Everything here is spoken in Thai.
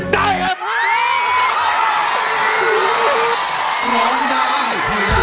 ได้เลย